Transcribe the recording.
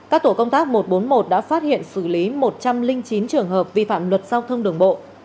các tổ công tác một trăm bốn mươi một đã phát hiện xử lý một trăm linh chín trường hợp vi phạm luật giao thông đường bộ